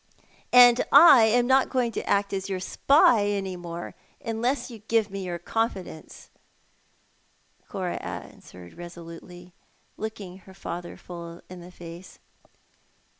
" And I am not going to act as your spy any more unless you give me your confidence," Cora answered resolutely, looking her father full in the face.